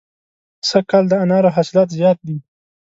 سږ کال د انارو حاصلات زیات دي.